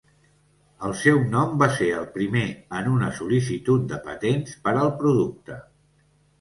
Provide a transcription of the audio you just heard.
El seu nom va ser el primer en una sol·licitud de patents per al producte.